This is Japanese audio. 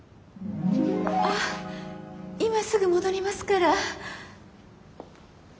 あっ今すぐ戻りますから。